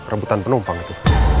rebutan penumpang gitu